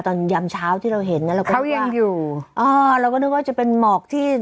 ยามเช้าที่เราเห็นนะเราก็ยังอยู่อ๋อเราก็นึกว่าจะเป็นหมอกที่